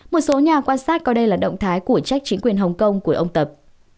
một số nhà quan sát coi đây là động thái của trách chính quyền hồng kông của ông tập